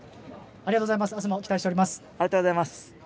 ありがとうございます。